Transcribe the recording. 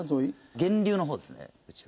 源流の方ですねうちは。